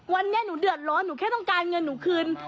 วันนี้หนูเดือดร้อนหนูแค่ต้องการเงินหนูคืน